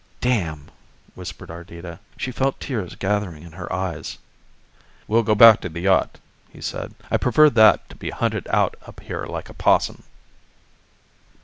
"Damn," whispered Ardita. She felt tears gathering in her eyes "We'll go back to the yacht," he said. "I prefer that to being hunted out up here like a 'possum."